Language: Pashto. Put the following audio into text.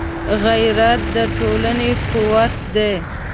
غیرت د ټولنې قوت دی